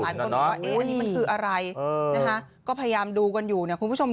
อันคลุมว่าเองอันนี้มันคืออะไรก็พยายามดูกันอยู่นะคุณผู้ชม